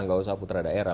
tidak usah putra daerah